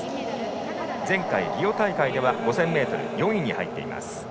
前回のリオ大会では５０００ｍで４位に入っています。